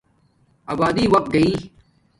ابادی وقت گݶ